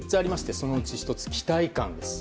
その１つ、期待感です。